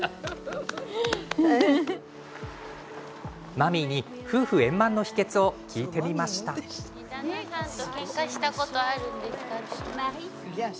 マミーに夫婦円満の秘けつを聞いてみると。